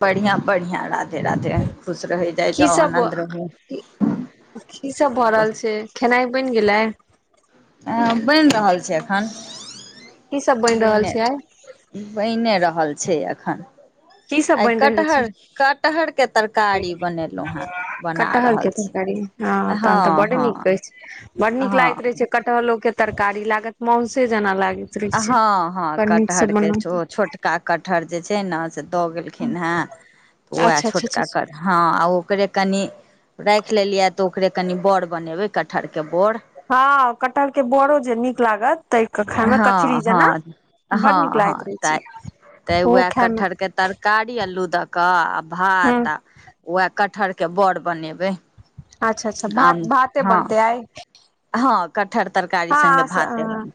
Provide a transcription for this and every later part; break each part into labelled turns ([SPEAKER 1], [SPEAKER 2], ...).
[SPEAKER 1] बढ़िया बढ़िया रा धे राधे खुश रहै जाइ
[SPEAKER 2] की
[SPEAKER 1] जाउ
[SPEAKER 2] सब
[SPEAKER 1] आनंन्द रहूं
[SPEAKER 2] की सब भऽ
[SPEAKER 1] बस
[SPEAKER 2] रहल छै खेनाइ बनि गेलै
[SPEAKER 1] ऐ बनि रहल छै एखन
[SPEAKER 2] की सब बनि रहल छै आई
[SPEAKER 1] बनिए रहल छै एखन
[SPEAKER 2] की सब
[SPEAKER 1] आइ
[SPEAKER 2] बनि रहल छै
[SPEAKER 1] कटहर कटहरके तरकारी बनेलहुँ हेँ बना
[SPEAKER 2] कटहर के
[SPEAKER 1] रहल छी
[SPEAKER 2] तेरकारी हँ तहन तऽ बड नीक अछि बड नीक लागैत रहै
[SPEAKER 1] हँ
[SPEAKER 2] छै कटहलो के तरकारी लागत मौंसे जेना लागत
[SPEAKER 1] आ हँ हँ कटहर के छो छोट छोटका कटहर जे छै न से दऽ गेलखिन हैं उएह
[SPEAKER 2] अच्छा अच्छा
[SPEAKER 1] छोटका कट
[SPEAKER 2] अच्छा
[SPEAKER 1] हँ आ ओकरे कनि राखि लेलियै या तऽ ओकरे कनि बोर बनेबै कटहरके बोर
[SPEAKER 2] हँ कटहल के बोरो जे नीक लागत तड़ि क खाय मे कचरी
[SPEAKER 1] हँ
[SPEAKER 2] जेना
[SPEAKER 1] हँ
[SPEAKER 2] बड नीक
[SPEAKER 1] हँ हँ
[SPEAKER 2] लागैत रहै
[SPEAKER 1] तऽ
[SPEAKER 2] छै
[SPEAKER 1] तऽ
[SPEAKER 2] ओहो
[SPEAKER 1] उएह
[SPEAKER 2] खाय मे
[SPEAKER 1] कटहरके तरकारी अल्लू दऽ क आ
[SPEAKER 2] हूँ
[SPEAKER 1] भात आ उएह कटहर के बड़ बनेबै
[SPEAKER 2] अच्छा अच्छा
[SPEAKER 1] आम
[SPEAKER 2] भात भाते
[SPEAKER 1] हँ
[SPEAKER 2] बनतै आई
[SPEAKER 1] हँ कटहर तरका
[SPEAKER 2] हँ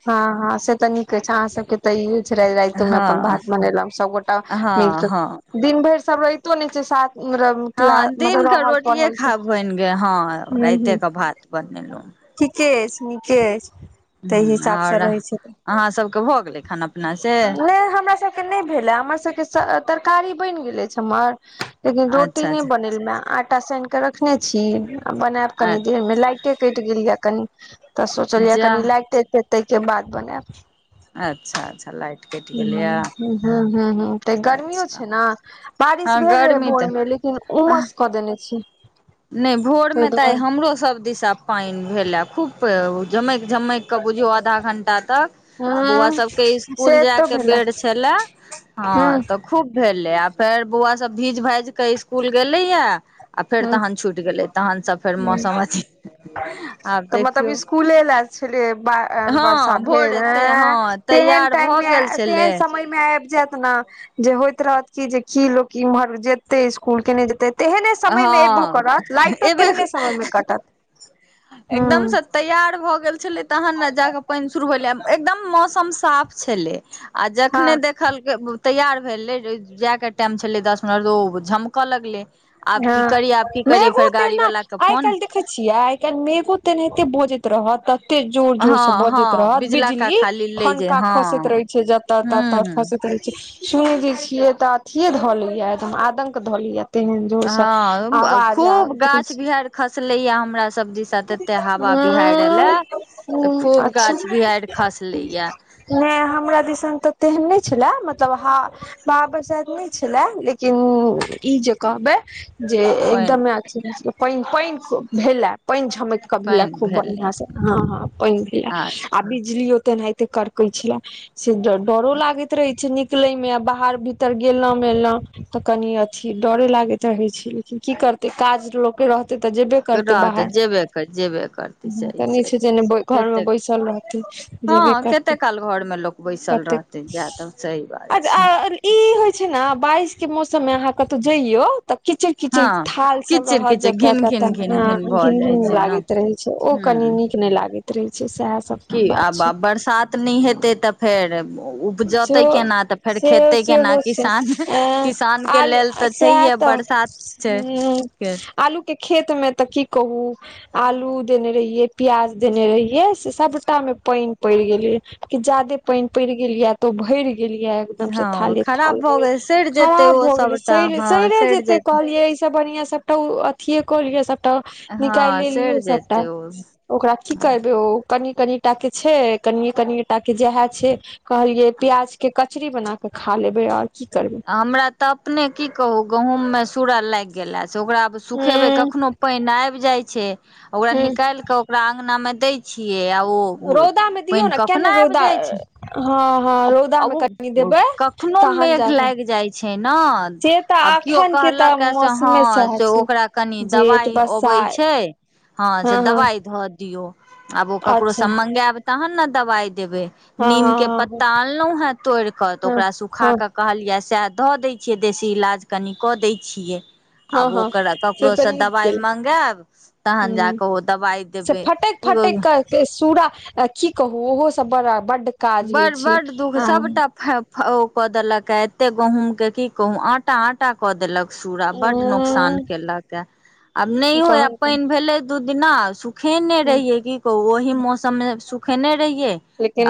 [SPEAKER 2] हँ हँ से त नीक के छै अहाँ सब के तऽ ईहे छलै रातियो मे अपन
[SPEAKER 1] हँ
[SPEAKER 2] भात बनेलौ सबगोटा
[SPEAKER 1] हँ
[SPEAKER 2] मीलक
[SPEAKER 1] हँ
[SPEAKER 2] दिन भरि सब रहितो नहि छै साथ मे
[SPEAKER 1] हँ दिनक क रोटिये खा बनि गेल हँ
[SPEAKER 2] हूं
[SPEAKER 1] रातिये
[SPEAKER 2] हूं
[SPEAKER 1] क भात बनेलौ
[SPEAKER 2] ठीके अछि नीके अछि ताहि
[SPEAKER 1] ह आओर
[SPEAKER 2] हिसाबसँ रहै छय
[SPEAKER 1] अहाँ सबके भऽ गेलै खाना पि
[SPEAKER 2] नई हमरा सभके नई भेला हमर सभके तरकारी बनि गेल अछि छै हमर लेकिन रोटी
[SPEAKER 1] अच्छा
[SPEAKER 2] नै
[SPEAKER 1] अच्छा
[SPEAKER 2] बनेलुया आटा साएन क रखने छी आ बनायब
[SPEAKER 1] अच्छा
[SPEAKER 2] कनी देर मे लाइट के कटि गेल यऽ कनि तऽ सोचलियै
[SPEAKER 1] जा
[SPEAKER 2] कनि लागि तेहिके बाद बनायब
[SPEAKER 1] अच्छा अच्छा लाइट कटि गेलैए
[SPEAKER 2] ह ह ह तऽ
[SPEAKER 1] अच्छा
[SPEAKER 2] गर्मियो
[SPEAKER 1] अच्छा
[SPEAKER 2] छैय न बारिश
[SPEAKER 1] हँ
[SPEAKER 2] भेल रहै
[SPEAKER 1] गर्मी तऽ
[SPEAKER 2] भोर मे लेकिन उमस कऽ देने छैय
[SPEAKER 1] नयी भोरमे तऽ आइ हमरो सभ दिशा पाएन भेलै खूब प झमैकि झमैकि कऽ बुझियौ आधा घण्टा तक बौआ सबके
[SPEAKER 2] ह से
[SPEAKER 1] इस्कुल जाए
[SPEAKER 2] तो
[SPEAKER 1] के
[SPEAKER 2] भेलै
[SPEAKER 1] बेड़ छला
[SPEAKER 2] ह
[SPEAKER 1] हँ तऽ खूब भेलै आ फेर बौआ सब भीज भाजि कऽ ईस्कुल गेलैया आ फेर
[SPEAKER 2] ह
[SPEAKER 1] तहन छुटि गेलै तहन स फेर मौसम अथी आब देखियौ
[SPEAKER 2] छलिएया बा वर्षा
[SPEAKER 1] हँ भोर
[SPEAKER 2] भेल
[SPEAKER 1] एते
[SPEAKER 2] अँ
[SPEAKER 1] हँ
[SPEAKER 2] तेहन
[SPEAKER 1] तैयार भऽ
[SPEAKER 2] टाइममे
[SPEAKER 1] गेल छलै
[SPEAKER 2] तेहन समयमे आबि जायत न जे होइत रहत की जे की लोक इम्हर जेते स्कूल केने जेते तेहने समय मे एबो
[SPEAKER 1] हँ
[SPEAKER 2] करत लाइटो
[SPEAKER 1] एबे
[SPEAKER 2] तेहने समय मे कटत हू
[SPEAKER 1] तैआार भऽ गेल छलै तहन ने जाकऽ पानि शुरू भेलै एकदम मौसम साफ छलैय आ जखने
[SPEAKER 2] हँ
[SPEAKER 1] देखलकै तैयार भेलै जायके टाइम छलै दस मिनट तऽ झमकऽ लगलैय आब की
[SPEAKER 2] हँ
[SPEAKER 1] करियै आब की करियै फेर गाड़ी वला के फोन
[SPEAKER 2] देखैत छियै आइ काल्हि मेघो तेनाहिते बजैत रहत त एते जोर जोर
[SPEAKER 1] हँ
[SPEAKER 2] से
[SPEAKER 1] हँ
[SPEAKER 2] बजैत रहत
[SPEAKER 1] बिजला का
[SPEAKER 2] बिजली
[SPEAKER 1] खाली लै जे
[SPEAKER 2] ठनका
[SPEAKER 1] हँ
[SPEAKER 2] खसैत रहै छैय तऽ त त
[SPEAKER 1] हूँ
[SPEAKER 2] खासतै रहे छैय सुनै जे छियै तऽ अथीे धऽ लऽ य एकदम आदंक धल लेया तेहन जोर से
[SPEAKER 1] हँ
[SPEAKER 2] आवाज
[SPEAKER 1] खूब
[SPEAKER 2] आबैत रहै
[SPEAKER 1] गाछ
[SPEAKER 2] छै
[SPEAKER 1] बिहायर खसले या हमरा सब दिस त त एते हवा बिहाड़ि एले
[SPEAKER 2] हूं
[SPEAKER 1] तऽ
[SPEAKER 2] हूं
[SPEAKER 1] खूब
[SPEAKER 2] अच्छा
[SPEAKER 1] गाछ बिहाड़ि खसले या
[SPEAKER 2] नहि हमरा दिसन तऽ तेहन नहि छले मतलब हवा बरसाइत नहि छले लेकिन ई जे कहबै जे
[SPEAKER 1] पानि
[SPEAKER 2] एकदमे पान पानि भेलए पानि झमैक भेला
[SPEAKER 1] पानि
[SPEAKER 2] खूब
[SPEAKER 1] भेलै
[SPEAKER 2] बढ़आं से हँ हँ पानि भेला आ बिजली तेनाहिते करकै छलय से डरो लागैत रहै छैय निकले मे आ बाहर भीतर गेले मेलौ तऽ कनि अथी डरे लागैत रहे छैय लेकिन की करते काज लोक रहते तऽ जबै
[SPEAKER 1] रहतै तऽ जेबे कर जेबे कर सही
[SPEAKER 2] तऽ नहि छै जे नहि घरमे
[SPEAKER 1] कतेक
[SPEAKER 2] बैसल रहतै
[SPEAKER 1] हँ
[SPEAKER 2] जेबे
[SPEAKER 1] कते
[SPEAKER 2] करतै
[SPEAKER 1] काल घर मे लोक बैसल
[SPEAKER 2] कतेक
[SPEAKER 1] रहैत तऽ जादब सही बात
[SPEAKER 2] आ
[SPEAKER 1] छैय
[SPEAKER 2] ई होइ छैय ने बारिश के मौसम मे अहाँ कतौ जाइयौ तऽ कीचिड़
[SPEAKER 1] हँ
[SPEAKER 2] कीचिड़ थाल सब
[SPEAKER 1] किचिर
[SPEAKER 2] रहत
[SPEAKER 1] किचिर
[SPEAKER 2] जतऽ
[SPEAKER 1] घिन घिन
[SPEAKER 2] तऽ
[SPEAKER 1] घिन भऽ
[SPEAKER 2] घिन
[SPEAKER 1] जाइ
[SPEAKER 2] घिन
[SPEAKER 1] छै ने
[SPEAKER 2] लागैत रहै छैय ओ कनी नीक
[SPEAKER 1] हूँ
[SPEAKER 2] नहि लागैत रहै छैय सएह सब बात छैय
[SPEAKER 1] नैय हेतै तऽ फेर उपजतै
[SPEAKER 2] सेहो
[SPEAKER 1] केना तऽ फेर
[SPEAKER 2] से
[SPEAKER 1] खेतै
[SPEAKER 2] से
[SPEAKER 1] केना
[SPEAKER 2] हो छै
[SPEAKER 1] किसान किसान
[SPEAKER 2] अ
[SPEAKER 1] के
[SPEAKER 2] आल
[SPEAKER 1] लेल तऽ
[SPEAKER 2] सेहाय
[SPEAKER 1] छैहे
[SPEAKER 2] तऽ
[SPEAKER 1] बरसात छै
[SPEAKER 2] हू
[SPEAKER 1] के
[SPEAKER 2] आलू के खेत मे तऽ की कहू आलू देने रहियै प्याज देने रहियै से सबटा मे पानि पड़ि गेलै कि ज्यादे पानि पड़ि गेल या तऽ भरि गेलियै एकदम से
[SPEAKER 1] हँ
[SPEAKER 2] थाले
[SPEAKER 1] खराब
[SPEAKER 2] थाल हो
[SPEAKER 1] भऽ
[SPEAKER 2] गेल
[SPEAKER 1] सड़ि जेतै
[SPEAKER 2] खराब
[SPEAKER 1] ओ
[SPEAKER 2] भ गेलै
[SPEAKER 1] सभटा
[SPEAKER 2] शैरे
[SPEAKER 1] हँ
[SPEAKER 2] शरे
[SPEAKER 1] सड़ि
[SPEAKER 2] जते
[SPEAKER 1] जेतै
[SPEAKER 2] कहलिये इ सब बढ़िया सबटा अथिये कलिए सब तऽ
[SPEAKER 1] हँ
[SPEAKER 2] निकाले लियौ
[SPEAKER 1] सड़ि
[SPEAKER 2] सबटा
[SPEAKER 1] जेतै ओ
[SPEAKER 2] ओकरा की करबै ओ कनि कनि टा के छै कनिये कनिए टा के जहे छै कहलिये प्याज के क कचड़ी बनााकऽ खा लेबै आओर की करबै
[SPEAKER 1] हमरा तऽ अपने की कहु गहूंम में सूरा लागि गेला से ओकरा सुखेबे
[SPEAKER 2] हूँ
[SPEAKER 1] कखनो पानि आबि जाय छै ओकरा
[SPEAKER 2] हूँ
[SPEAKER 1] निकाल के ओकरा अंगना मऽ दै छियै आ ओ
[SPEAKER 2] रौदा मे दियौ
[SPEAKER 1] पानि
[SPEAKER 2] ने किया
[SPEAKER 1] कखना
[SPEAKER 2] ने
[SPEAKER 1] आबि
[SPEAKER 2] रौदा
[SPEAKER 1] जाइ छै
[SPEAKER 2] हँ हँ
[SPEAKER 1] आब
[SPEAKER 2] रौदा मे
[SPEAKER 1] आबु
[SPEAKER 2] कनि देबै
[SPEAKER 1] कखनो
[SPEAKER 2] तहन
[SPEAKER 1] मेघ
[SPEAKER 2] जाकऽ
[SPEAKER 1] लागि जाइ छै ने
[SPEAKER 2] से तऽ
[SPEAKER 1] आब केओ
[SPEAKER 2] अखन के तऽ
[SPEAKER 1] कहलक से हँ
[SPEAKER 2] मौसमे सएह
[SPEAKER 1] से
[SPEAKER 2] छै
[SPEAKER 1] ओकरा कनी
[SPEAKER 2] जेठ
[SPEAKER 1] दवाई अबै
[SPEAKER 2] बरसाइत
[SPEAKER 1] छै हँ से दवाई धऽ दियौ आब ओ ककरो
[SPEAKER 2] अच्छा
[SPEAKER 1] सब मंगायब तहन नऽ दवाई देबे
[SPEAKER 2] हँ
[SPEAKER 1] नीम के
[SPEAKER 2] हँ हँ
[SPEAKER 1] पत्ता अनलहुँ हऽ तोड़ि कऽ तऽ
[SPEAKER 2] हँ
[SPEAKER 1] ओकरा सुखा
[SPEAKER 2] हँ
[SPEAKER 1] कऽ कहलियै सएह धऽ दै छियै देशी इलाज कनि कऽ दै छियै
[SPEAKER 2] हँ हँ
[SPEAKER 1] आब
[SPEAKER 2] हँ
[SPEAKER 1] ओकर
[SPEAKER 2] से तऽ
[SPEAKER 1] ककरोसँ
[SPEAKER 2] नीक
[SPEAKER 1] दबाइ
[SPEAKER 2] केल
[SPEAKER 1] मंगायब तहन जा कऽ ओ दबाइ देबै [unintelligible]
[SPEAKER 2] [unintelligible] सूरा की कहू ओहो सब बड़ बड
[SPEAKER 1] बड़ बड़ दुःख सबटा ओ कऽ देलक ह एते गहुम के की कहू आटा आ छटा कऽ देलक सूरा आ बड न नुकसान
[SPEAKER 2] तहन
[SPEAKER 1] केलक ह आब नहि हो आब पानि भेलै दू दिना सुखेने
[SPEAKER 2] ह
[SPEAKER 1] रहियै कि कहू ओही मौसम मे सुखेने रहियै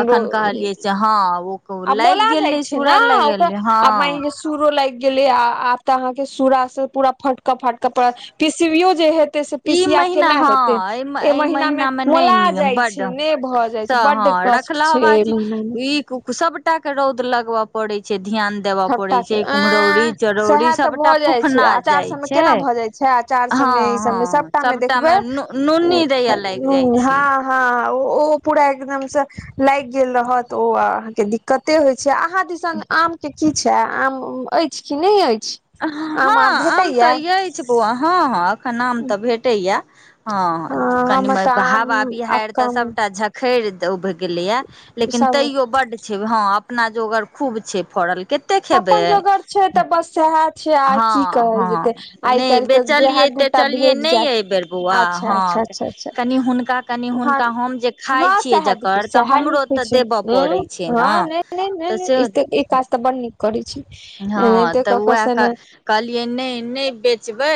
[SPEAKER 1] अखन कहलियै से हँ ओ
[SPEAKER 2] आ
[SPEAKER 1] लागि
[SPEAKER 2] मोला जाइ
[SPEAKER 1] गेलै
[SPEAKER 2] छै ने
[SPEAKER 1] सूरा लागि
[SPEAKER 2] ओकरा
[SPEAKER 1] गेलै हँ
[SPEAKER 2] आ माइन सूरो लागि गेले आ आब तऽ अहाँ के सूरा से पूरा फटक फटक पड़ पीसवियो जे हेत एते से
[SPEAKER 1] ई
[SPEAKER 2] पीसिया
[SPEAKER 1] महीना
[SPEAKER 2] केना
[SPEAKER 1] हँ
[SPEAKER 2] हेते ए
[SPEAKER 1] एहि
[SPEAKER 2] महिना मे
[SPEAKER 1] महीना नहि
[SPEAKER 2] मोला
[SPEAKER 1] नीक
[SPEAKER 2] जाय छै
[SPEAKER 1] बड
[SPEAKER 2] ने भऽ जाय
[SPEAKER 1] से
[SPEAKER 2] छै बड
[SPEAKER 1] हँ
[SPEAKER 2] कष्ट छै
[SPEAKER 1] रखलहबा छी ई सबटा के रौद लगब पड़े छै ध्यान देबय
[SPEAKER 2] सबटा
[SPEAKER 1] पड़े
[SPEAKER 2] के
[SPEAKER 1] छै कुम्हरोरी
[SPEAKER 2] एं
[SPEAKER 1] चरौरी
[SPEAKER 2] सएह तऽ
[SPEAKER 1] सबटा फूफना जाए छै
[SPEAKER 2] छ आचार सब
[SPEAKER 1] हँ
[SPEAKER 2] मे ई सब मे
[SPEAKER 1] हँ
[SPEAKER 2] सबटा मे देखबै
[SPEAKER 1] नूनी दैया लागि जाइ
[SPEAKER 2] ह
[SPEAKER 1] छै
[SPEAKER 2] हँ ओ पूरा एकदम से लाइग गेल रहत ओ अहाँके दिक्कते होइ छै अहाँ दिसन आमके की छै आम अछि कि नहि अछि आम आब
[SPEAKER 1] हँ आम
[SPEAKER 2] भेटैया
[SPEAKER 1] तऽ ऐछ बौआ हँ हँ एखन आम तऽ भेटैए हँ कनि
[SPEAKER 2] हमर तऽ आम
[SPEAKER 1] हावा
[SPEAKER 2] आब
[SPEAKER 1] बिहाइर त
[SPEAKER 2] कम
[SPEAKER 1] सबटा झखैर उभ गेलैया लेकिन
[SPEAKER 2] सब
[SPEAKER 1] तैयो बड हँ अपना जोगर खूब छै फड़ल केते
[SPEAKER 2] अपन जोगर छै तऽ बस सै है छै आ की
[SPEAKER 1] हँ
[SPEAKER 2] कहल जेतै
[SPEAKER 1] हँ
[SPEAKER 2] आइ
[SPEAKER 1] नहि
[SPEAKER 2] काइल तऽ जेहा
[SPEAKER 1] बेचलियै
[SPEAKER 2] दूटा
[SPEAKER 1] तेचलियै
[SPEAKER 2] भेट
[SPEAKER 1] नहि
[SPEAKER 2] जायत
[SPEAKER 1] एहि बेर बौआ
[SPEAKER 2] अच्छ
[SPEAKER 1] हँ
[SPEAKER 2] अच्छ अच्छ अच्छा
[SPEAKER 1] कनि हुनका कनि
[SPEAKER 2] हँ
[SPEAKER 1] हुनका हम जे खाइ
[SPEAKER 2] हँ
[SPEAKER 1] छियै
[SPEAKER 2] सह देखियौ
[SPEAKER 1] जकर तऽ
[SPEAKER 2] स
[SPEAKER 1] हमरो
[SPEAKER 2] निक [unintelligible]
[SPEAKER 1] तऽ देबय पड़ै छै ने
[SPEAKER 2] नहि नहि
[SPEAKER 1] तऽ
[SPEAKER 2] नहि
[SPEAKER 1] से
[SPEAKER 2] ई काज तऽ बड़ नीक करै छै
[SPEAKER 1] हँ
[SPEAKER 2] एनहैते
[SPEAKER 1] तऽ
[SPEAKER 2] क क
[SPEAKER 1] उएह
[SPEAKER 2] से ने
[SPEAKER 1] कहलियै नहि नहि बेचबै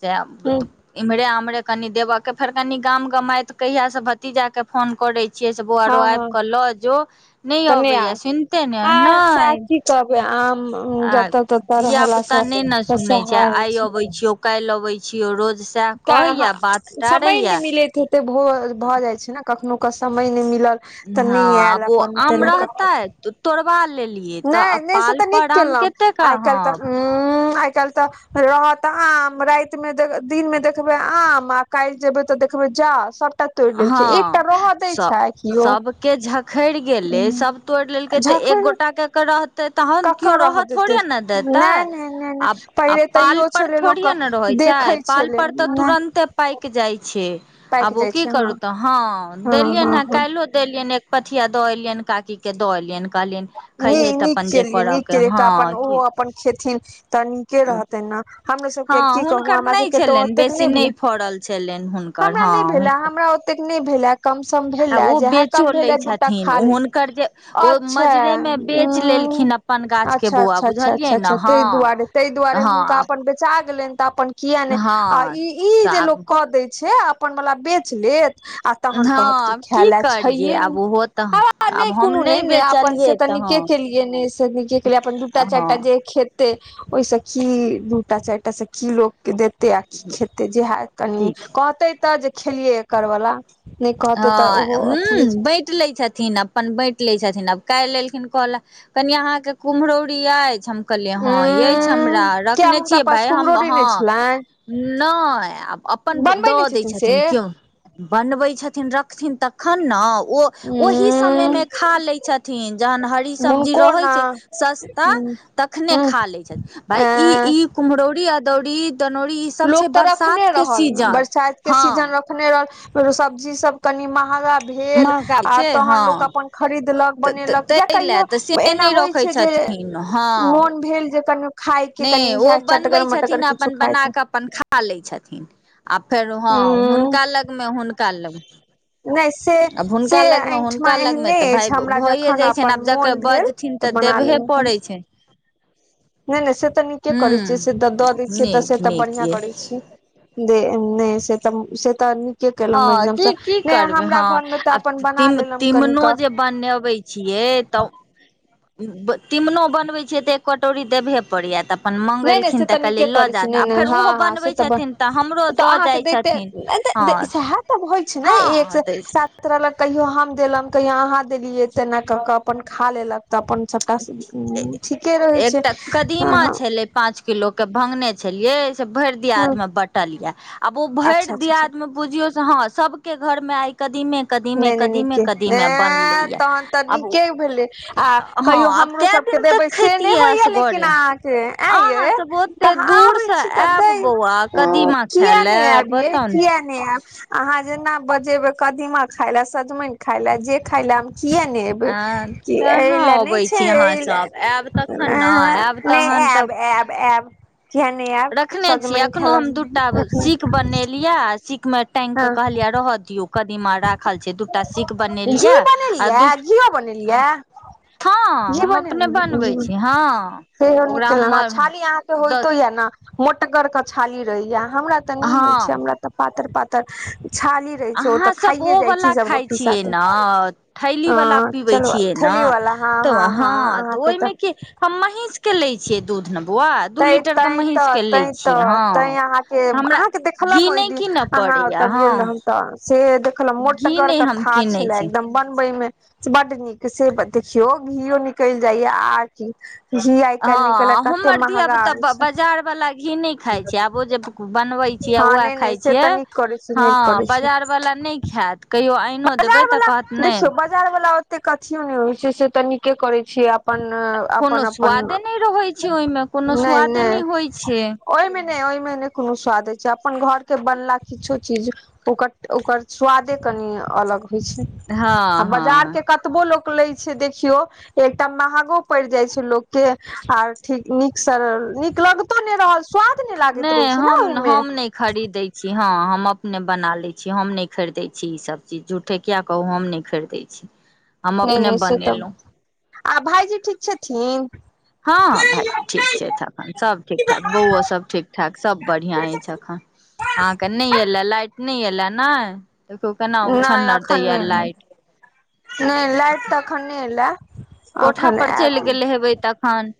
[SPEAKER 1] से
[SPEAKER 2] हँ
[SPEAKER 1] [unintelligible] इम्हरे आम्हरे कनि देब के फेर कनि गाम गमायइत कहिया से भतीजा के फोन करे छियै से बौआरो आइब
[SPEAKER 2] हँ
[SPEAKER 1] कऽ लऽ जो नहि
[SPEAKER 2] तऽ
[SPEAKER 1] अबेया
[SPEAKER 2] आर
[SPEAKER 1] सुनते ने
[SPEAKER 2] आर सएह
[SPEAKER 1] नहि
[SPEAKER 2] की कहबै आम
[SPEAKER 1] आ
[SPEAKER 2] जतऽ तत
[SPEAKER 1] धिया
[SPEAKER 2] रहलास
[SPEAKER 1] पुता
[SPEAKER 2] सै होइ छै
[SPEAKER 1] काइल अबै छियौ रोज सएह
[SPEAKER 2] तऽ अहाँ
[SPEAKER 1] कहैया बात
[SPEAKER 2] समय
[SPEAKER 1] टारैया
[SPEAKER 2] नहि मिलैत हेतै भोरऽ भ जाइत छै ने कखनो क समय नहि मिलल तऽ
[SPEAKER 1] हँ
[SPEAKER 2] नहि आयल
[SPEAKER 1] आब ओ
[SPEAKER 2] अपन
[SPEAKER 1] आम
[SPEAKER 2] तेना क
[SPEAKER 1] रहताइ त तोड़बा लेली तऽ
[SPEAKER 2] नहि
[SPEAKER 1] अब पाल पर आम कते क ह
[SPEAKER 2] [unintelligible] आए काइल त रहत आम रातिमे दिनमे देखबै आम आ काइल जेबै तऽ देखबै जा सभटा तोड़ लेलकै एकटा
[SPEAKER 1] हँ
[SPEAKER 2] रह
[SPEAKER 1] सब सभके झखड़ि गेलै सभ तोड़ि लेलकै तऽ एक
[SPEAKER 2] जखन
[SPEAKER 1] गोटा के तऽ रह तहन केओ
[SPEAKER 2] ककर
[SPEAKER 1] रहऽ
[SPEAKER 2] देतै
[SPEAKER 1] थोड़े ने देतै
[SPEAKER 2] नहि नहि नहि नहि
[SPEAKER 1] अब अब
[SPEAKER 2] पहिले
[SPEAKER 1] पाल
[SPEAKER 2] तैयो
[SPEAKER 1] पर
[SPEAKER 2] छलै लोक
[SPEAKER 1] थोड़िये ने रहैत छै
[SPEAKER 2] देखै
[SPEAKER 1] पाल
[SPEAKER 2] छलै
[SPEAKER 1] पर तऽ तुरंते पाइक जाइ छै
[SPEAKER 2] पाइक
[SPEAKER 1] आब ओ
[SPEAKER 2] जाइ छै
[SPEAKER 1] की करू
[SPEAKER 2] हँ
[SPEAKER 1] तऽ हँ
[SPEAKER 2] हँ
[SPEAKER 1] देलियनि हे काइल
[SPEAKER 2] हँ
[SPEAKER 1] काइलो देलियन एक पथिया दऽ एलियन काकी के दऽ एलियन कहलियन
[SPEAKER 2] नीक केलियै नीक केलियै तऽ अपन ओहो
[SPEAKER 1] की
[SPEAKER 2] अपन खेथिन तऽ के रहतै ने हमरो सबके
[SPEAKER 1] हँ
[SPEAKER 2] की कहू
[SPEAKER 1] हुनकर
[SPEAKER 2] हमरा
[SPEAKER 1] नहि
[SPEAKER 2] सबके तो
[SPEAKER 1] छलनि
[SPEAKER 2] ओतेक
[SPEAKER 1] बेसी
[SPEAKER 2] नय भेल
[SPEAKER 1] नहि फड़ल छलनि
[SPEAKER 2] [inaudible]
[SPEAKER 1] हुनकर
[SPEAKER 2] हमरा
[SPEAKER 1] हँ
[SPEAKER 2] नय भेल
[SPEAKER 1] हुनकर
[SPEAKER 2] हमरा ओतेक नय भेले कम सम
[SPEAKER 1] आब
[SPEAKER 2] भेलै
[SPEAKER 1] ओ
[SPEAKER 2] जेहा
[SPEAKER 1] बेचो
[SPEAKER 2] कम
[SPEAKER 1] लै
[SPEAKER 2] भेल ह दूटा
[SPEAKER 1] छथिन
[SPEAKER 2] खा
[SPEAKER 1] हुनकर
[SPEAKER 2] लेलु
[SPEAKER 1] जे ओ
[SPEAKER 2] अच्छा
[SPEAKER 1] मजरे मे बेच
[SPEAKER 2] ऊ
[SPEAKER 1] लेलखिन अपन गाछ के
[SPEAKER 2] अच्छा
[SPEAKER 1] बौआ
[SPEAKER 2] अच्छा अच्छा
[SPEAKER 1] बुझलियै ने
[SPEAKER 2] अच्छा तय
[SPEAKER 1] हँ
[SPEAKER 2] दुआरे तय दुआरे हुनका
[SPEAKER 1] हँ
[SPEAKER 2] अपन बेचा गेलैन तऽ अपन किया नय आ
[SPEAKER 1] हँ
[SPEAKER 2] ई ई
[SPEAKER 1] तऽ
[SPEAKER 2] जे लोक
[SPEAKER 1] आब
[SPEAKER 2] कऽ दै छै अपन वला बेच लेत आ तहन
[SPEAKER 1] हँ
[SPEAKER 2] कहत कि
[SPEAKER 1] आब
[SPEAKER 2] खाय
[SPEAKER 1] की
[SPEAKER 2] ले
[SPEAKER 1] करियै
[SPEAKER 2] छैे
[SPEAKER 1] आब
[SPEAKER 2] नय
[SPEAKER 1] ओहो तऽ
[SPEAKER 2] आ नय
[SPEAKER 1] आब हम
[SPEAKER 2] कोनो नय
[SPEAKER 1] नहि
[SPEAKER 2] ने अपन से
[SPEAKER 1] बेचलियै
[SPEAKER 2] त
[SPEAKER 1] तऽ
[SPEAKER 2] के
[SPEAKER 1] हँ
[SPEAKER 2] केलिए एने से ओने के अपन दूटा
[SPEAKER 1] हँ
[SPEAKER 2] चारिटा जे खेत त ओहिसँखी दूटा चारि टा खी लोक के देते आ की खेते जेहे कनि
[SPEAKER 1] ठीक छै
[SPEAKER 2] कहते तऽ जे खेलियै एकर बला नहि कहते तऽ ओहो अथिये छै
[SPEAKER 1] कट लै छथिन अपन बाँटि लै छथिन आब कालहि लेलखिन कहल कनि अहाँके कुम्हरौरी अछि हम कहलियै हँ येईछ
[SPEAKER 2] उंम्म
[SPEAKER 1] हमरा
[SPEAKER 2] किया
[SPEAKER 1] रखने
[SPEAKER 2] हुनका
[SPEAKER 1] छियै
[SPEAKER 2] पास
[SPEAKER 1] भाय हम
[SPEAKER 2] कुम्हरोरी
[SPEAKER 1] हँ
[SPEAKER 2] नहि छलनि
[SPEAKER 1] नय आब अपन
[SPEAKER 2] बनबै
[SPEAKER 1] दऽ
[SPEAKER 2] नहि
[SPEAKER 1] दै
[SPEAKER 2] से
[SPEAKER 1] छथिन क्यो बनबै छथिन रखथिन तखन न ओ ओही समयमे
[SPEAKER 2] उंम्म
[SPEAKER 1] खा लै छथिन जहन हरी सब्जी
[SPEAKER 2] हुनको
[SPEAKER 1] रहय
[SPEAKER 2] ने
[SPEAKER 1] छै सस्ता
[SPEAKER 2] उंम्म
[SPEAKER 1] तखने
[SPEAKER 2] उंम्म
[SPEAKER 1] खा लै छथि भाय ई
[SPEAKER 2] एं
[SPEAKER 1] ई कुम्हरौरी अदौरी तनौरी ई सब
[SPEAKER 2] लोक
[SPEAKER 1] छै
[SPEAKER 2] तऽ
[SPEAKER 1] बरसात के सीजन हँ
[SPEAKER 2] तखने रहल सब्जी सब कनी महगा भेल
[SPEAKER 1] महगा
[SPEAKER 2] आर
[SPEAKER 1] छै
[SPEAKER 2] तहन
[SPEAKER 1] हँ
[SPEAKER 2] लोको अपन खरीदलक बनेलक या
[SPEAKER 1] ताहि लए
[SPEAKER 2] कहियो
[SPEAKER 1] तऽ से
[SPEAKER 2] एना
[SPEAKER 1] नहि
[SPEAKER 2] होइ
[SPEAKER 1] रखै
[SPEAKER 2] छै जे
[SPEAKER 1] छथिन हँ
[SPEAKER 2] मोन भेल जे कनिको खायके
[SPEAKER 1] नहि
[SPEAKER 2] कनि
[SPEAKER 1] ओ
[SPEAKER 2] इहै चटगर
[SPEAKER 1] बनबै
[SPEAKER 2] मटगर
[SPEAKER 1] छथिन
[SPEAKER 2] किछु
[SPEAKER 1] अपन
[SPEAKER 2] खाय
[SPEAKER 1] बना
[SPEAKER 2] त
[SPEAKER 1] कऽ अपन खा लै छथिन आ फेर हँ
[SPEAKER 2] ह
[SPEAKER 1] हुनका लगमे हुनका लग
[SPEAKER 2] नहि से
[SPEAKER 1] आब
[SPEAKER 2] से
[SPEAKER 1] हुनका लगमे
[SPEAKER 2] एहिठमा
[SPEAKER 1] हुनका लग मे
[SPEAKER 2] एहने
[SPEAKER 1] तऽ भाय
[SPEAKER 2] अछि हमरा
[SPEAKER 1] भइए
[SPEAKER 2] जखन
[SPEAKER 1] जाइ छ
[SPEAKER 2] अपन
[SPEAKER 1] आब जकर
[SPEAKER 2] मोन भेल
[SPEAKER 1] बज छथिन तऽ
[SPEAKER 2] बना
[SPEAKER 1] देबहे पड़ै छै
[SPEAKER 2] नय नय से तऽ नीके करै छै से
[SPEAKER 1] हूं
[SPEAKER 2] दऽ दै छियै तऽ से
[SPEAKER 1] नीक
[SPEAKER 2] तऽ
[SPEAKER 1] नीक
[SPEAKER 2] बढ़िआँ
[SPEAKER 1] ये
[SPEAKER 2] करय छीये दे नय से तऽ से तऽ निक निके केलौ
[SPEAKER 1] हँ की
[SPEAKER 2] एकदमसँ
[SPEAKER 1] की
[SPEAKER 2] नय
[SPEAKER 1] करबै
[SPEAKER 2] हमरा
[SPEAKER 1] हँ
[SPEAKER 2] घर मे तऽ अपन बना लेलउ कनिके
[SPEAKER 1] बनेबै छियै तौ तीमनो बनबै छियै तऽ एक कटोरी देबहे पड़ैया तऽ अपन
[SPEAKER 2] नय नय से
[SPEAKER 1] मंगेलखिन
[SPEAKER 2] तऽ नीके
[SPEAKER 1] कहलियै लऽ
[SPEAKER 2] करय
[SPEAKER 1] जा
[SPEAKER 2] छी नय
[SPEAKER 1] तऽ आ
[SPEAKER 2] नय
[SPEAKER 1] फेर
[SPEAKER 2] हँ
[SPEAKER 1] ओहो
[SPEAKER 2] हँ से
[SPEAKER 1] बनबै
[SPEAKER 2] तऽ ब
[SPEAKER 1] छथिन हमरो
[SPEAKER 2] तऽ
[SPEAKER 1] दऽ
[SPEAKER 2] अहाँके
[SPEAKER 1] जाइ
[SPEAKER 2] दैते
[SPEAKER 1] छथिन
[SPEAKER 2] नय तऽ
[SPEAKER 1] हँ
[SPEAKER 2] दे सैएह तऽ होइ छै ने एक से
[SPEAKER 1] हँ दै छै
[SPEAKER 2] सात् रहलक तहियो हम देलम कहियो अहाँ देलियै ते एना क कऽ अपन खा लेलक तऽ अपन सभटा सीधी ऊ ठीके रहय छै हं हं
[SPEAKER 1] पाँंच किलो के भंगने छलिये से भैर भैर दियाद
[SPEAKER 2] हँ
[SPEAKER 1] मे बँटल यऽ आब ओ भैर
[SPEAKER 2] अच्छा अच्छा अच्छा
[SPEAKER 1] दियादमे बुझियौ से हँ सबके घर मे आइ कदीमे कदीमे
[SPEAKER 2] नय नय
[SPEAKER 1] कदीमे
[SPEAKER 2] नीके
[SPEAKER 1] कदीमे
[SPEAKER 2] ए
[SPEAKER 1] बनलैये
[SPEAKER 2] तहन तऽ
[SPEAKER 1] आब
[SPEAKER 2] नीके भेलै आ
[SPEAKER 1] हँ
[SPEAKER 2] कहियो हम
[SPEAKER 1] आब
[SPEAKER 2] हमरो
[SPEAKER 1] कए
[SPEAKER 2] सब के
[SPEAKER 1] दिन तक
[SPEAKER 2] देबै से नय
[SPEAKER 1] खैतियै
[SPEAKER 2] होईया लेकिन
[SPEAKER 1] असगरे
[SPEAKER 2] आहां के यै
[SPEAKER 1] अहाँ
[SPEAKER 2] ए
[SPEAKER 1] सब
[SPEAKER 2] त
[SPEAKER 1] ओते
[SPEAKER 2] आहा
[SPEAKER 1] दूर
[SPEAKER 2] आबय
[SPEAKER 1] से
[SPEAKER 2] छी त
[SPEAKER 1] आयब
[SPEAKER 2] देय
[SPEAKER 1] बौआ कदीमा खाय
[SPEAKER 2] किया नय
[SPEAKER 1] लए
[SPEAKER 2] यैब ये
[SPEAKER 1] बताउ ने
[SPEAKER 2] किया नय नय आयब अहाँ जेना बजेबै कदीमा खाय लए सजमईन खाय ले जे खाय लेम किया नय एबय
[SPEAKER 1] आ
[SPEAKER 2] की
[SPEAKER 1] कहाँ
[SPEAKER 2] ऐला नय
[SPEAKER 1] अबै
[SPEAKER 2] छै
[SPEAKER 1] छी अहाँ
[SPEAKER 2] ऐला
[SPEAKER 1] सब आयब तखन ने आयब
[SPEAKER 2] नय
[SPEAKER 1] तहन तऽ
[SPEAKER 2] ऐब ऐब ऐब किया नय ऐब
[SPEAKER 1] रखने
[SPEAKER 2] सजमन खाय ले रखनें
[SPEAKER 1] लिया सिक मे टैंग क कहलियै रहऽ दियौ कदीमा राखल छै दूटा सीख
[SPEAKER 2] घी
[SPEAKER 1] बनेलियए आ
[SPEAKER 2] बनेलियै
[SPEAKER 1] दू
[SPEAKER 2] घिओ
[SPEAKER 1] हां
[SPEAKER 2] बनेलियै
[SPEAKER 1] हँ
[SPEAKER 2] घी
[SPEAKER 1] हम अपने बनबै
[SPEAKER 2] बनेलियै
[SPEAKER 1] छी हँ
[SPEAKER 2] सेहो निक
[SPEAKER 1] ओकरा
[SPEAKER 2] केलऊ
[SPEAKER 1] हम
[SPEAKER 2] हं छाली अहाँके होइतो
[SPEAKER 1] दस
[SPEAKER 2] ये न मोटगर क छाली रहैये हमरा तऽ नै होइ छै
[SPEAKER 1] हँ
[SPEAKER 2] हमरा तऽ पातर पातर छाली रहै छै ओ
[SPEAKER 1] अहाँ
[SPEAKER 2] तऽ
[SPEAKER 1] सब
[SPEAKER 2] खाइये
[SPEAKER 1] ओ
[SPEAKER 2] जाइ
[SPEAKER 1] बला
[SPEAKER 2] छी सब
[SPEAKER 1] खाय
[SPEAKER 2] रोटी
[SPEAKER 1] छियै
[SPEAKER 2] साथे
[SPEAKER 1] न थैली
[SPEAKER 2] अ
[SPEAKER 1] बला पीबै
[SPEAKER 2] चलू
[SPEAKER 1] छियै न
[SPEAKER 2] थैली वाला हँ
[SPEAKER 1] तऽ हँ तऽ
[SPEAKER 2] अहाँके
[SPEAKER 1] ओहिमे की हम महींष के लै छियै दूध ने बौआ दू
[SPEAKER 2] तैं
[SPEAKER 1] लीटर के
[SPEAKER 2] तैं
[SPEAKER 1] महींष
[SPEAKER 2] तऽ
[SPEAKER 1] के लै
[SPEAKER 2] तैं
[SPEAKER 1] छियै
[SPEAKER 2] तऽ
[SPEAKER 1] हँ
[SPEAKER 2] तैं अहाँके
[SPEAKER 1] हमरा
[SPEAKER 2] अहाँके देखलौं हम
[SPEAKER 1] घी
[SPEAKER 2] ओहि
[SPEAKER 1] नहि
[SPEAKER 2] दिन
[SPEAKER 1] कीनऽ
[SPEAKER 2] अहाँ ओतऽ
[SPEAKER 1] पड़ैया
[SPEAKER 2] गेल
[SPEAKER 1] हँ
[SPEAKER 2] रहौं तऽ से देखलौं
[SPEAKER 1] घी
[SPEAKER 2] मोटगर
[SPEAKER 1] नहि हम
[SPEAKER 2] कथा
[SPEAKER 1] कीनै
[SPEAKER 2] छले
[SPEAKER 1] छी
[SPEAKER 2] एकदम बनबै मे। बड्ड नीक से ब देखियौ घीयो निकलि जाइए आर की घी आइ काल्हि निकल कत्ते महंग
[SPEAKER 1] तऽ बाजार बाला घी नै खाइ छियै आब ओ जे बनबै छियै आ
[SPEAKER 2] हँ
[SPEAKER 1] वैह
[SPEAKER 2] नहि नहि
[SPEAKER 1] खाइ
[SPEAKER 2] से
[SPEAKER 1] छियै
[SPEAKER 2] तऽ नीक करै छी
[SPEAKER 1] हँ
[SPEAKER 2] नीक करै छी
[SPEAKER 1] बाजार बला नहि खैत कहियो आइनो देबै
[SPEAKER 2] बाजार
[SPEAKER 1] तऽ
[SPEAKER 2] वाला
[SPEAKER 1] कहत नहि
[SPEAKER 2] देखियौ बाजार वला ओतेक अथियो नै होइ छै से तऽ नीके करै छी आब अपन
[SPEAKER 1] कोनो
[SPEAKER 2] अपन अपन
[SPEAKER 1] स्वादे नहि रहै छै ओहिमे कोनो
[SPEAKER 2] नै
[SPEAKER 1] स्वादे
[SPEAKER 2] नै
[SPEAKER 1] नहि होइ छै
[SPEAKER 2] ओहिमे नै ओहिमे नै कोनो स्वाद होय छै अपन घर के बनला किछो चीज ओकर ओकर स्वादे कनि अलग होइ छै
[SPEAKER 1] हँ
[SPEAKER 2] आ
[SPEAKER 1] हँ
[SPEAKER 2] बाजार के कत तबो लोक लै छै देखियौ एकत महगो परि जाइ छै लोक के आर ठीक नीक सँ नीक लगतो नहि रहल स्वाद नहि लागैत रहै छै ने
[SPEAKER 1] हम
[SPEAKER 2] ओहिमे
[SPEAKER 1] हम नहि खरीदै छी हँ हम अपने बना लै छी हम नहि खरीदै छी ई सब चीज झूठ ठे किये कहु हम नहि खरीदै छी। हम
[SPEAKER 2] नहि
[SPEAKER 1] अपने
[SPEAKER 2] नहि से तब
[SPEAKER 1] बनेलहुँ
[SPEAKER 2] आ भाइजी ठीक छथिन
[SPEAKER 1] हँ भाइ ठीक छै तखन सभ ठीक ठाक बौओ सभ ठीक ठाक सब बढ़ियाँ अछि एखन अहाँ के नहि एले लाइट नहि एले नै देखियौ केना
[SPEAKER 2] नहि
[SPEAKER 1] उछन्नर
[SPEAKER 2] अखन
[SPEAKER 1] दैये
[SPEAKER 2] नहि एलै
[SPEAKER 1] लाइट
[SPEAKER 2] नहि लाइट तऽ अखन नहि एलै
[SPEAKER 1] कोठा
[SPEAKER 2] अखन
[SPEAKER 1] पर चलि
[SPEAKER 2] आयत
[SPEAKER 1] गेल हेबै तखन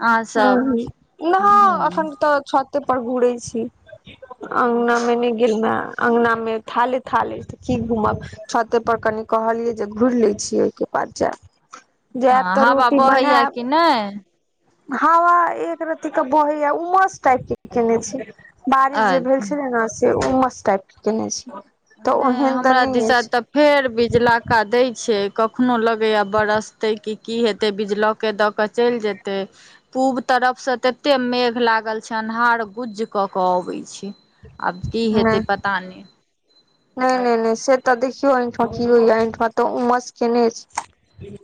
[SPEAKER 1] अहाँ
[SPEAKER 2] हूंम्म
[SPEAKER 1] सब
[SPEAKER 2] हूंम्म न
[SPEAKER 1] ह
[SPEAKER 2] अखन तऽ छते पर घूरै छी अंगना मे नहि गेलौं हें अंगना मे थाले थाल ऐ तऽ की घूमब छते पर कनि कहलियै जे घुरि लै छियै ओहिके बाद जैब जैब
[SPEAKER 1] हँ
[SPEAKER 2] तऽ
[SPEAKER 1] हवा
[SPEAKER 2] रोटी
[SPEAKER 1] बहैया
[SPEAKER 2] बनेब
[SPEAKER 1] कि नहि
[SPEAKER 2] हवा एक रति कऽ बहैये उमस टाइप के केने छै बारिश जे
[SPEAKER 1] अ
[SPEAKER 2] भेल छेलै ने से उम्मस टाइप के केने छै तऽ
[SPEAKER 1] नहि
[SPEAKER 2] ओहन तऽ
[SPEAKER 1] हमरा
[SPEAKER 2] नहि
[SPEAKER 1] दिशा
[SPEAKER 2] अछि।
[SPEAKER 1] तऽ फेर बिजलाका दै छै कखनो लगैये बरसतै की की हेतै बिजलौक के दऽ कऽ चलि जेतै पूब तरफ सँ तत्ते मेघ लागल छै अन्हार गुज्ज कऽ कऽ अबै छै। आब की हेतै
[SPEAKER 2] नहि
[SPEAKER 1] पता नहि।
[SPEAKER 2] नहि नहि नहि से तऽ देखियौ एहिठुमा की होइये एहिठुमा तऽ उमस केने छै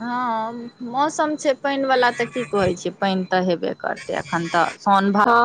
[SPEAKER 1] हँ मौसम छै पइन वला तऽ की कहै छियै पइन तऽ हेबे करतै एखन तऽ साउन भादो
[SPEAKER 2] आ